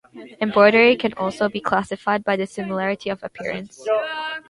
Embroidery can also be classified by the similarity of appearance.